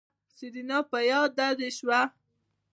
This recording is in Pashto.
سېرېنا په ياده دې شوه.